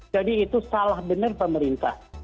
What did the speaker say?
jadi itu salah benar pemerintah